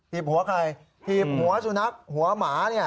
ีบหัวใครถีบหัวสุนัขหัวหมาเนี่ย